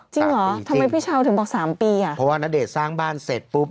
จริงเหรอทำไมพี่เช้าถึงบอกสามปีอ่ะเพราะว่าณเดชน์สร้างบ้านเสร็จปุ๊บ